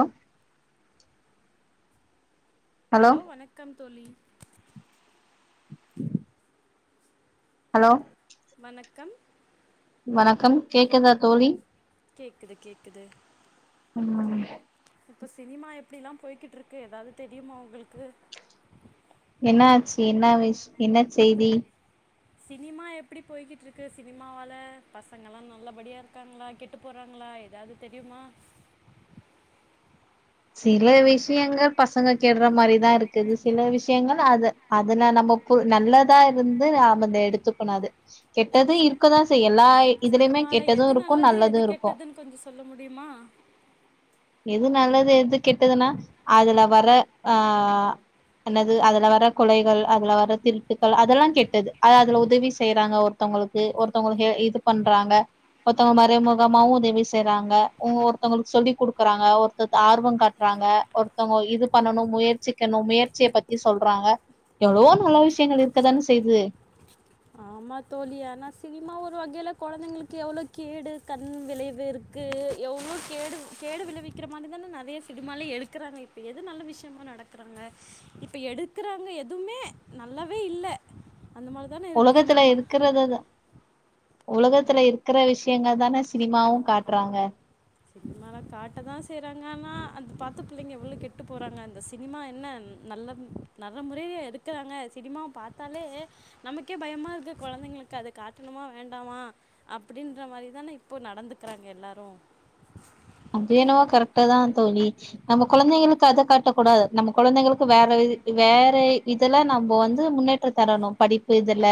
ஓ hello வணக்கம் தோழி hello வணக்கம் வணக்கம் கேக்குதா தோழி கேக்குது கேக்குது நிம்மதி இப்ப சினிமா எப்டிலா போய்கிட்ருக்கு எதாவது தெரியுமா உங்களுக்கு என்னாச்சு என்ன விஷ் என்ன செய்தி சினிமா எப்டி போய்கிட்ருக்கு சினிமாவால பசங்கலா நல்லபடியா இருக்கானுங்களா கெட் ட்டு போறாங்ளா எதாவது தெரியுமா சில விஷ்யங்கள் பசங்க கெட்ற மாரிதா இருக்குது சில விஷ்யங்கள் அத அதுல நம்ம பு நல்லதா இருந்து நம்ம அத எடுத்துக்கணு அது கெட்டது சி இருக்கதா செய்யு எல்லா இதுலயுமே கெட்டது இருக்கு நல்லது இருக் கெட்டதுன் கொஞ்சோ சொல்ல முடியுமா எது நல்லது எது கெட்டதுனா அதுல வர ஆ என்னது அதுல வர கொலைகள் அதுல வர திருட்டுக்கள் அதெல்லா கெட்டது அத அதுல உதவி செய்றாங்க ஒரு ஒருத்தவுங்களுக்கு ஒருத்தவுங்களுக்கு எ இது பண்றாங்க ஒருத்தவுங்க மறைமுகமாவு உதவி செய்றாங்க உங் ஒருத்தவங்களுக்கு சொல்லி குடுக்குறாங்க ஒருத்த த ஆர்வோ காட்றாங்க ஒருத்தவுங்க இது பண்ணணு முயற்சிக்கணு முயற்சிய பத்தி சொல்றாங்க எவ்ளோ நல்ல விஷயங்கள் இருக்கதான செய்யுது ஆமா தோழி ஆனா சினிமா ஒரு வகையில கொழந்தைங்களுக்கு எவ்ளோ கேடு கண் விளைவு இருக் க்கு எவ்ளோ கேடு கேடு விளைவிக்கிற மாரி தான நெறையா சினிமாலேயே எடுக்குறாங்க இப்ப எது நல்ல விஷ்யமா நடக் த்துறாங்க இப்ப எடுக்குறாங்க எதுவுமே நல்லாவே இல்ல அந்த மாரிதான உலகத்துல இருக்குறததா உலகத்துல இருக்குற விஷயங்க தானே சினிமாவு காட்றாங்க சினிமால காட்டதா செய்றாங்க ஆனா அந்த பாத்து பிள்ளைங்க எவ்ளோ கெட்டு போறாங்க அந்த சினிமா என்னன் நல்ல நல்ல முறையிலயா எடுக்குறாங்க சினிமாவ பாத்தாலே நமக்கே பயமா இருக்கு கொழந்தைங்களுக்கு அது காட்டணுமா வேண்டாமா அப்டின்ற மாரிதானே இப்போ நடந்துக்குறாங்க எல்லாரு அது என்னவோ கரெக்ட்டு தா தோழி நம்ம கொழந்தைங்களுக்கு அத காட்டக்கூடாது நம்ம கொழந்தைங்களுக்கு வேற இது வேற இதுல நம்ப வந்து முன்னேற்ற ற தரணு படிப்பு இதுல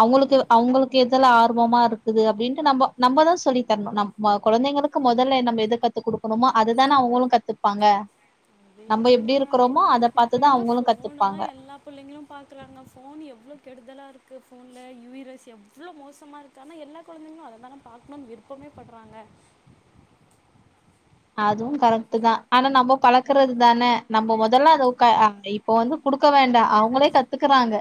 அவுங்களுக்கு அவுங்களுக்கு எதுல்லா ஆர்வமா இருக்குது அப்டின்ட்டு நம்ப நம்பதா சொல்லி தர்ணு நம் மா கொழந்தைங்களுக்கு மொதல்ல என்ன நம்ம என் எத கத்து குடுக்குறோமோ அதுதான அவுங்களு கத்துப்பாங்க அது நம்ம என்னமோ எப்டி இருக் உண்மைதான் க்குறோமோ தோழி அத பாத்துதா அவுங்களு கத்துப்பாங்க புள்ளைங்களு பாக்குறாங்க போன் எவ்ளோ கெடுதலா இருக்கு போன்ல யூ ஐய் ரேஸ் எவ்ளோ மோசமா இருக் க்கானா எல்லா கொழந்தைங்களு அத தாங்க பாக்கனுன் விருப்பமே பட்றாங்க அதுவு கரெக்ட்டுதா ஆனா நம்ப பழக்குறது தானே நம்ப மொதல்ல அத உக்க அ இ ப்ப வந்து குடுக்க வேண்டா அவுங்களே கத்துக்குறாங்க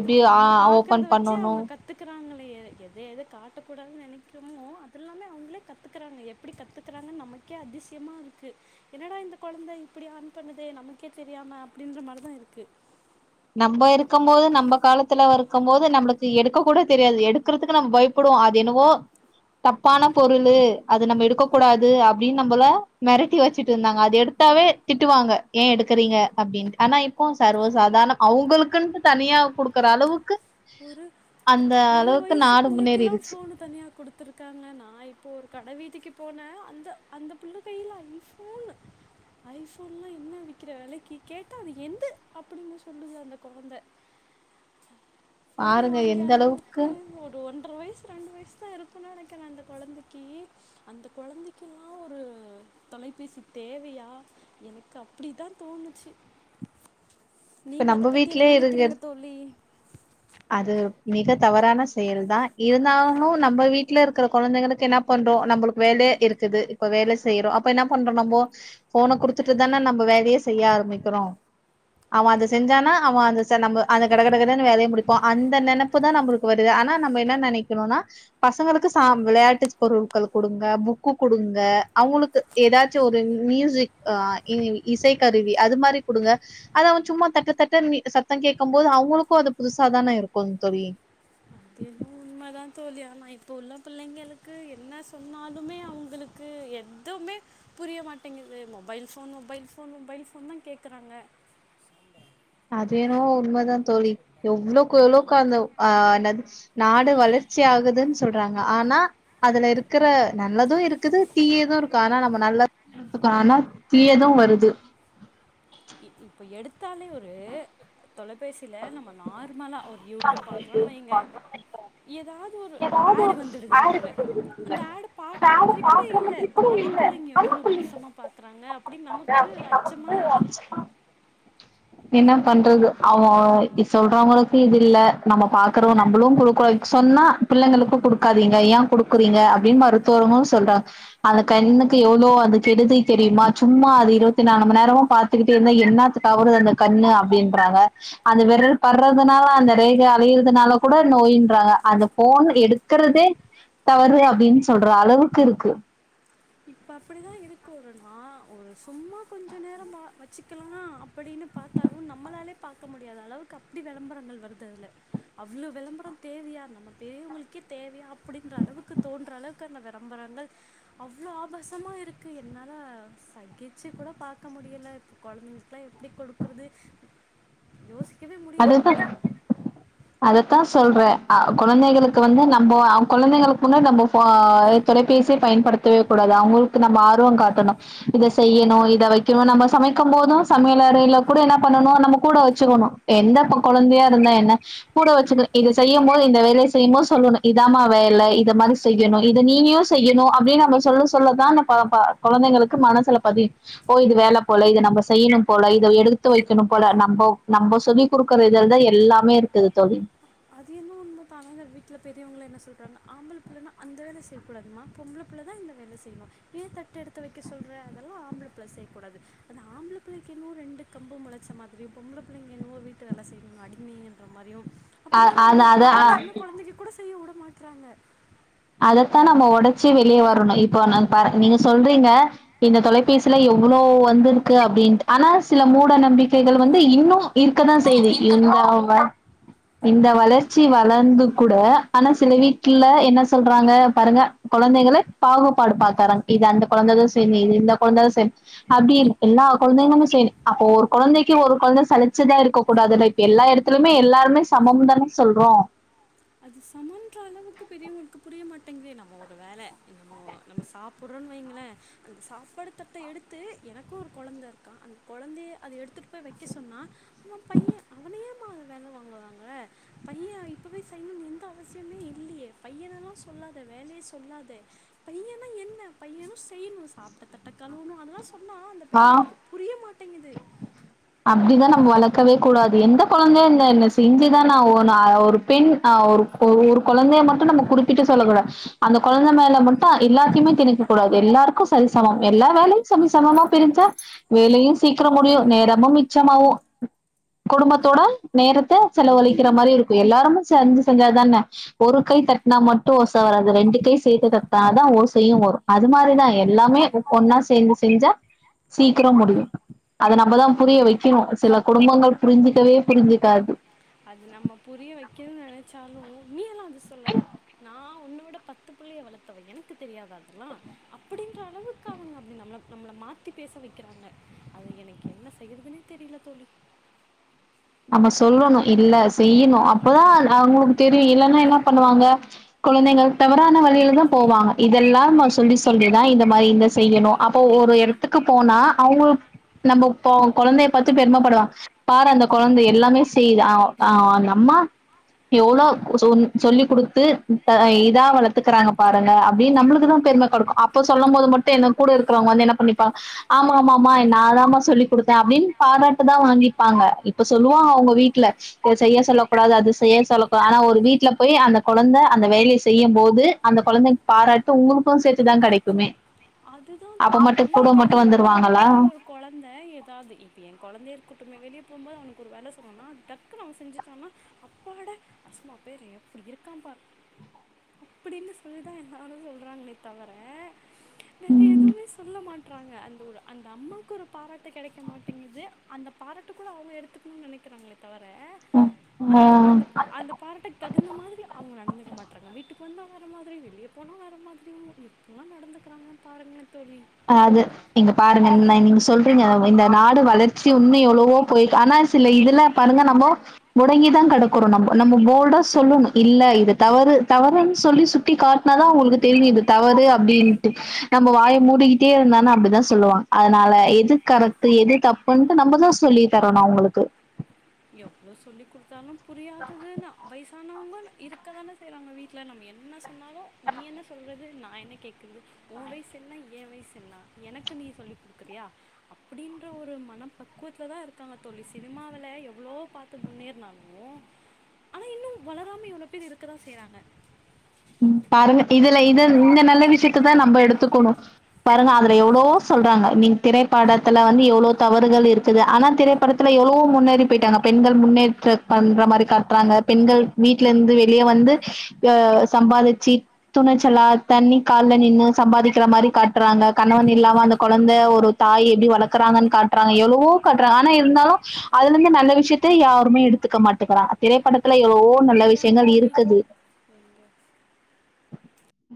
எப்டி ஆ ஆ ஓப்பன் பண்ணணு கத்துக்குறாங்களே எ எத எத காட்டக்கூடாதுன் நெனக்கிறோமோ அது எல்லாமே அவுங்களே கத்துக்குறாங்க எப் எப்டி கத்துக்குறாங்கன் நமக்கே அதிஸ்யமா இருக்கு என்னடா இந்த கொழந்த இப்புடி ஆன் பண்ணுது நமக்கே தெரியாம அப்புடின்ற மாரிதா இருக்கு நம்ப இருக்கம் போது நம்ப காலத்துல வ இருக்கம் போது நம்பளுக்கு எடுக்க கூட தெரியாது எடுக்குறதுக்கு நம்ப பயப் குடுவோ அது என்னவோ தப்பான பொருளு அது நம்ம எடுக்க கூடாது அப்டின்னு நம்பள மெரட்டி வச்சுட்டு இருந்தாங்க அத எடுத் தாவே திட்டுவாங்க ஏ எடுக்குறீங்க அப்டின்னு ஆனா இப்போ சர்வசாதார்ணோ அவுங்களுக்குன்ட்டு தனியா குடுக்குற அளவுக்கு ஒரு அந்த ஒரு அளவுக்கு வயசு நாடு புள்ளைக்கெல்லா முன்னேறிடுச்சு ஃபோனு தனியா குடுத்துருக்காங்க நா இப்போ ஒரு கட வீதிக்கு போனே அந்த அந்த புள்ள கைல ஐ மூணு ஐ ஃபோன்லா என்ன விக்கிற வெலக்கி கேட்டா அது என்து அப்டீன்னு சொல்லுது அந்த கொழந்த ஃபோன பாருங்க வாங்கிய எந்த அளவுக்கு ஒரு ஒன்ற வயசு ரெண்டு வயசுதா இருக்கோன் நெனக்கிற அந்த கொழந்தக்கி அந்த கொழந்தக்கில்லா ஒரு தொலைபேசி தேவையா எனக்கு அப்டிதா தோணுச்சு இப்ப நீங்க அத நம்ம பத்தி என்ன வீட்லயே இருக்கிற நெனக்கிறீங்க தோழி அது மிக தவறான செயல்தா இருந்தாலு நம்ப வீட்ல இருக்குற கொழந்தைங்களுக்கென்னப் பண்றோ நம்பளுக் வேல இருக்குது இப்ப வேல செய்றோ அப்ப என்ன பண்றோ நம்போ ஃபோன குடுத்துட்டு தான நம்போ வேலயே செய்ய ஆரம்பிக்குறோ அவ அத அது செஞ்சானா அவ அந்த ச நம்ப அத கட கட கடனு வேலைய முடி இப்போ அந்த நெனப்புதா நம்புளுக்கு வருது ஆனா நம்ப என்ன நெனைக்கறோனா பசங்களுக்கு சா வெளையாட்டு பொருள்கள் குடுங்க புக்கு குடுங்க அவுங்குளுக்கு ஏதாச்சு ஒரு மியூசிக் ஆ இ இசை கருவி அது மாரி குடுங்க அத அவந் சும்மா தட்டத்தட்ட நீ சத்தங் கேக்கும் போது அவுங்களுக்கோ அது புதுசாதான இருக்கோ தோழி தேன்னு உண்மதா தோழி ஆனா இப்போ உள்ள பிள்ளைங்களுக்கு என்ன சொன்னாலுமே அவுங்குளு க்கு எத்துவுமே புரிய மாட்டேங்கிது mobile phone mobile phone mobile phone தா கேக்குறாங்க அது என்னவோ உண்மதா தோழி எவ்ளோக்கு எவ்ளோக்கு அந்த ஆ என்னாது நாடு வளர்ச்சி ஆகுதுனு சொல்றாங்க ஆனா அதுல இருக்குற நல்லது இருக்குது தீயது இருக்கு ஆனா நம்ப நல்ல புக்கு ஆனா தீயதோ வருது இப்ப எடுத்தாலே ஒரு தொலைபேசில நம்ம நார்மலா ஒரு யூ ட்யூப் பாக்றோ வெய்ங்க எதாது ஒரு ஏதாவது ஆடு ஒரு வந்துடுது ஆடு நடுல வந்து அந்த விடுவாங்க ஆடு அந்த பாக்ற ஆட மாதிரி கூட பாக்குற இல்ல மாதிரி கூட ஆனா இல்ல புள்ளைங்க நம்ம எவ்ளோ புள்ளைங்க மோசமா பாக்குறாங்க அப்டீன்னு நமக்கு தான அப்டின்னு அச்சமாருக்கு இன்னா பண்றது அவ் அ இ சொல்றவுங்களுக்கு இதுல்ல நம்ம பாக்குறோ நம்மளோ குடுக்குறோ இ சொன்னா பிள்ளைங்களுக்கோ குடுக்காதீங்க ஏ குடுக்குறீங்க அப்டீன் மருத்துவரு சொல்றாங் அந்த கண்ணுக்கு எவ்ளோ அது கெடுதி தெரியுமா சும்மா அது இருபத்தி நாலு மணி நேரமு பாத்துக்கிட்டே இருந்தா என்னாத டவரு கொஞ்சோ கம்மி அப்டீன்றாங்க அந்த விரல் படுறதுனால அந்த ரேகை அழியறதுனால கூட நோய்ன்றாங்க அந்த ஃபோன் எடுத் இருக்கறதே தவறு அப்டீன்னு சொல்ற அளவுக்கு இருக்கு இப்போ அப்புடிதா இருக்கு ஒரு நா ஒரு சும்மா கொஞ்சோ நேரம் அ வெச்சுக்கலா அப்புடீன்னு பாத்தாலு நம்மளாலே பாக்க முடியாத அளவுக்கு அப்புடி வெளம்பரங்கள் வருது அதுல அவுளோ வெளம்பரோ தேவையா நம்ம பெரியவங்களுக்கே தேவையா அப்டின்ற அளவுக்கு தோன்ற அளவுக்கு க இந்த வெளம்பறங்கள் அவ்ளோ ஆ பாசமா இருக்கு என்னால சகிச்சி கூட பாக்க முடியுல இப்ப கொழந் தைக்குலா எப்டி குடுக்கறது யோசிக்கவே அதே தா அதத்தா சொல்றே அ கொழந்தைங்களுக்கு வந்து நம்போ அவ் கொழந்தைங்களுக்கு முன்னாடி நம்ம ஃபோ தொலைபேசிய பயன்படுத்தவே கூடாது அவுங்குளுக்கு நம்ம ஆர்வோ காட்டணோ இத செய்யணு இத வைக்கணு நம்ம சமைக்கும் போது சமையல அறையில கூட என்ன பண்ணணு நம்ம கூட வெச்சுக்கணு எந்தப்பொ கொழந்தையா இருந்தா என்ன கூட வெச்சுக்குறே இது செய்யம் போது இந்த வேலைய செய்யமா சொல்லணு இதாம்மா வேல இத மாரி செய்யணு இத நீயு செய்யணு அப்டின் நம்ப சொல்ல சொல்லதா ந ப ப கொழந்தைங்களுக்கு மனசுல பதி ஓ இது வேல போல இத நம்ப செய்யணும் போல இத எடுத்து வைக்கணு போல நம்போ நம்போ சொல்லி குடுக்குற ஏரியால்தா எல்லாமே இருக்குது தோழி அது என்னொ உண்மதாங்க இந்த வீட்ல பெரியவங்ள என்ன சொல்றாங்க ஆம்பல புள்ளனா அந்த வேல செய்க்கூடாதுமா பொம்ளப்புள்ளதா இந்த வேல செய்ணு ஏ தட்டு எடுத்து வெக்க சொல்ற அதெல்லா ஆம்ப்ள பிள்ள செய்க்கூடாது அந்த ஆம்பள பிள்ளக்கி என்னோ ரெண்டு கம்பு மொலச்ச மாதிரியு பொம்பள பிள்ளைங்க என்னவோ வீட்டு வேல செய்ணு அடிமிய ன்ற மாரியு அ அப்படிதா அத அத நடந்துக்கிறாங்க அ சின்ன கொழந்தைங்க கூட செய்ய வுட மாட்டறாங்க அதத்தா நம்ம ஒடச்சி வெளியே வரணு இப்போ நா தார நீங்க சொல்றீங்க இந்த தொலைபேசில எவ்வளோ வந்திருக்கு அப்டின்ட் ஆனா சில மூட நம்பிக்கைகள் வந்து இன்னு இருக்கதா செய்து இவுங்க அவுங்க இந்த வளர்ச்சி வளந்து கூட ஆனா சில வீட்ல என்ன சொல்றாங்க பாருங்க கொழந்தைகள பாகுபாடு பாக்கரங் இது அந்த கொழந்தைதா செய்ணு இது இந்த கொழந்த செய்ண் அப்டி இல்ல எல்லா கொழந்தைளுமே செய்ணு அப்போ ஒரு கொழந்தைக்கு ஒரு கொழந்தை சளிச்சதா இருக்க கூடாதுல எல்லா எடத்துலுமே எல்லாருமே சமம் தானே சொல்றோ அது சமன்ற அளவுக்கு பெரியவங்களுக்கு புரிய மாட்டேங்தே நம்ம ஒரு வேல நம்ம நம்ம சாப் புறோன் வைங்களே அந்த சாப்பாடு தட்ட எடுத்து எனக்கு ஒரு கொழந்த இருக்கா அந்த கொழந்தைய அத எடுத்துட் போய் வெக்க சொன்னா அவ பைய அவனயேம்மா வேல வாங்குறாங்க பைய இப்பவே செய்யுன்னு எந்த அவசியமே இல்லியே பையனல்லா சொல்லாத வேலை சொல்லாத பையனா என்ன பையனு செய்ணு சாப்ட்ட தட்ட கழுவனு அதலா சொன்னா அந்த ஆ பெரியவங்கள்க்கு புரிய மாட்டேங்கிது அப்டிதா நம்ப வளக்கவே கூடாது எந்த கொழந்தையா இருந்த என்ன செஞ்சுதான ஆகொணு அ ஒரு பெண் அ ஒரு ஒரு கொழந்தையை மட்டு நம்ம குறிப்பிட்டு சொல்ல கூடாத் அந்த கொழந்தை மேல மட்டு எல்லாத்தியுமே திணிக்க கூடாது எல்லாருக்கு சரி சமம் எல்லா வேலையு சரிசமமா பிரிஞ்சா வேலயு சீக்கிரோ முடியு நேரமு மிச்சமாவு குடும்பத்தோட நேரத்த செலவழிக்கிற மாரி இருக்கு எல்லாருமே சேந்து செஞ்சாதான ஒரு கை தட்னா மட்டு ஓச வராது ரெண்டு கை சேத்து தட்னாதா ஓசையு வரு அது மாரிதா எல்லாமே ஒன்னா சேந்து செஞ்சா சீக்கிரோ முடியு அது நம்பதா புரிய வெக்கணு சில குடும்பங்கள் புரிஞ்சிக்கவே புரிஞ்சுக்காது அது நம்ம புரிய வெக்கிணு நெனச்சாலு நீ எல்லா அத சொல்லாத நா உன்னோட பத்து புள்ளைய வளத்தவ எனக்கு தெரியாதா அதுல்லா அப்படின்ற அளவுக்கு அவுங்க அப்டி நம்ள நம்ள மாத்தி பேச வெக்கிறாங்க அத எனக்கு என்ன செய்யறதுனே தெரில தோழி நம்ம சொல்லணு இல்ல செய்யணு அப்பதா அ அவுங்களுக்கு தெரியு இல்லன்னா என்ன பண்ணுவாங்க குழந்தைங்கள் தவறான வழியில தா போவாங்க இதெல்லாம சொல்லி சொல்லிதா இந்த மாரி இந்த செய்யணு அப்போ ஒரு எடத்துக்கு போனா அவுங்களுக் நம்ம இப்போ கொழந்தைய பாத்து பெருமைப்படுலா பாரு அந்த கொழந் எல்லாமே செய்யுது ஆ ஆ அந்த அம்மா எவ்ளோ சொன் சொல்லி குடுத்து ப்ப இதா வளத்துக்கறாங்க பாருங்க அப்டின் நம்மளுக்குதா பெரும கொடுக் அப்போ சொல்லம் போது மட்டு என்ன கூட இருக்கறவங்க வந்து என்ன பண்ணிப்பாங் ஆமாமாம ஆமா நா தாமா சொல்லிக்குடுத்தே அப்டின் பாராட்டுதா வாங்கிப்பாங்க இப்போ சொல்லுவோ அவுங்க வீட்ல இத செய்ய சொல்ல கூடாது அது செய்ய சொல்லக்கூடாது ஆனா ஒரு வீட்ல போயி அந்த கொழந்த அந்த வேலையை செய்யும் போது அந்த கொழந்தைங்க பாராட்டு உங்களுக்கு சேத்துதா கெடைக்குமே அதுதா அப்ப தோழி மட்டு கூட மட்டு வெளியே வந்துருவாங்களா போகும்போது ஒரு கொழந்த ஏதாவது இப்போ எ கொழந்தைய இருக்கட்டுமே வெளிய போகும்போது அவனுக்கு ஒரு வேல சொன்னோனா டக்குன்னு அவன் செஞ்சுட்டானா அப்பாட சும்மா பாரு எப்டி இருக்காம்பாரு அப்டின்னு சொல்லிதா எல்லாரு சொல்றாங்களே தவர வேற எதுவுமே சொல்ல மாட் தீட்றாங்க அந்த ஒரு அந்த அம்மாக்கு ஒரு பாராட்டு கெடைக்க மாட்டேங்குது அந்த பாராட்டு கூட அவங்க எடுத்துக்கணும்னு நெனைக்கிறாங்களே தவர ம் அந்த ஆ அந்த அந்த பாராட்டுக் தகுந்த மாரி அவங்க நடந்துக்க மாட்றாங்க வீட்டுக்கு வந்தால் வேற மாரி வெளியே போனால் வேற மாரியி ல்லாம் நடந்துக்கிறாங்க பாருங்க தோழி ஆது இங்க பாருங்க நீங்க சொல்றீங்க இந்த நாடு வளர்ச்சி ஒன்னும் எவ்ளவோ போயி ஆனா சில இதுல பாருங்க நம்மோ முடங்கி தா கெடக்றோம் நம்போ நம்போ ஃபோல்டா சொல்லணும் இல்ல இது தவறு தவறுன்னு சொல்லி சுட் டி காட்னாதா அவங்களுக்கு தெரியுது தவறு அப்டின்ட்டு நம்போ வாய மூடிக் கிட்டே இருந்தோன அப்டிதா சொல்லுவாங் அதனால எது கரெக்ட்டு எது தப்புன்ட்டு நம்மதா சொல்லி தரணு அவங்களுக்கு எவ்ளோ சொல்லி கொடுத்தாலும் புரியாததுனு அவைஸ் இருக்கதானே செய்றாங்க வீட்ல நம்ம என்ன சொன்னாலு நீ என்ன சொல்றது நா என்ன கேக்கறது ஓ வயசென்ன ஏ வயசென்னா எனக்கு நீ சொல்லி குடுக்குறியா அப்டின்ற ஒரு மன பக்குவத்துல தா இருக்காங்க தோழி சினிமாவில எவ் ளோ பாத்து முன்னேறுனாலும் ஆனா இன்னு வளராம இவ்ளோ பேர் இருக்கதா செய்றாங்க பாருங்க இதுல இது இந்த நல்ல விஷயத்த தா நம்ப எடுத்துக்கணும் பாருங்க அதுல எவ்ளவோ சொல்றாங்க நீங் திரைப்படத்துல வந்து எவ்ளோ தவறுகள் இருக்குது ஆனா திரைப்படத் துல எவ்ளவோ முன்னேறி பேயிட்டாங்க பெண்கள் முன்னேற்ற பண்ற மாரி காட்றாங்க பெண்கள் வீட்ல இருந்து வெளியே வந்து [unintelligible] சம்பாதிச்சு துணிச்சலா தண்ணி கால்ல நின்னு சம்பாதிக்கிற மாரி காட்றாங்க கணவன் இல்லாம அந்த கொழந்த ஒரு தாயி எப்டி வளக்றாங்கனு காட்றாங்க எவ்ளவோ காட்றாங்க ஆனா இருந்தாலும் அதுலருந்து நல்ல விஷயத்த யாருமே எடுத் த்துக்க மாட்டேங்கிறாங்க திரைப்படத்துல இது எவ்ளவோ இன்னும் நல்ல உண்மைதான் விஷயங்கள் தோழி இருக்குது